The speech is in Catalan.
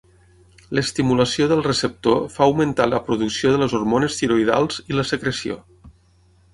L'estimulació del receptor fa augmentar la producció de les hormones tiroïdals i la secreció.